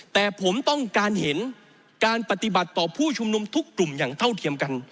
แต่ผมต้องการเห็นการปฏิบัติต่อผู้ชุมนุมทุกกลุ่มอย่างเท่าเทียมกัน